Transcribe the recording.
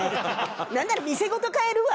なんなら店ごと買えるわ！